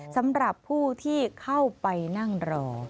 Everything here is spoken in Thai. สำหรับผู้ที่เข้าไปนั่งรอ